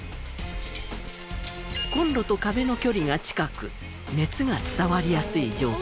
コンロと壁の距離が近く熱が伝わりやすい状況。